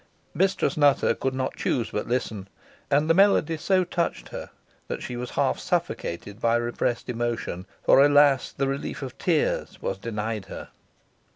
Mistress Nutter could not choose but listen, and the melody so touched her that she was half suffocated by repressed emotion, for, alas! the relief of tears was denied her.